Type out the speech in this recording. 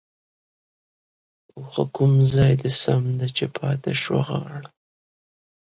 ـ اوښه کوم ځاى د سم دى ،چې پاتې شوه غاړه؟؟